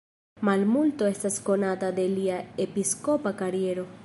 Malmulto estas konata de lia episkopa kariero.